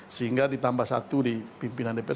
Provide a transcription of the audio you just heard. sehingga ditambah satu di pimpinan dpr